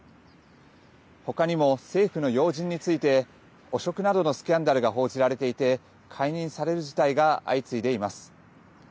他にも政府の要人について汚職などのスキャンダルが報じられていて解任される事態が相次いでいます。